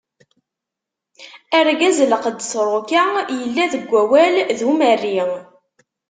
Argaz lqedd tṛuka, yella deg awal d Umerri.